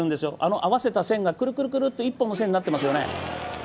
合わせた線がくるくるっと１本の線になってますよね。